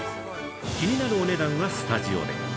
気になるお値段はスタジオで。